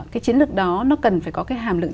cái chiến lược đó nó cần phải có cái hàm lượng